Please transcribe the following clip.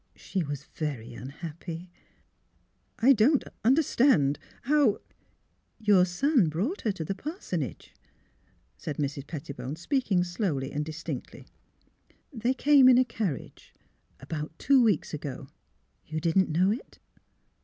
She was very unhappy." " I don't — understand how "" Your son brought her to the parsonage? " said Mrs. Pettibone, speaking slowly and dis tinctly. ^' They came in a carriage about two weeks ago. You didn't know it?